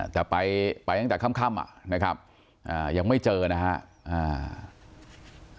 แต่ไปตั้งแต่ค่ำยังไม่เจอนะฮะ